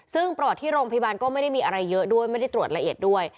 ซึ่งประวัติที่โรงพยาบาลก็ไม่ได้มีอะไรเยอะด้วยไม่ได้ตรวจละเอียดด้วย